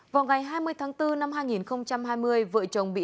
vào ngày hai mươi tháng bốn năm hai nghìn hai mươi vợ chồng bị